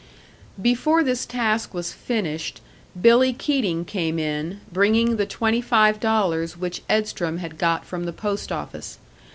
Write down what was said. Before this task was finished, Billy Keating came in, bringing the twenty five dollars which Edstrom had got from the post office.